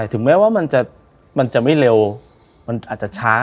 ถึงแม้ว่ามันจะไม่เร็วมันอาจจะช้า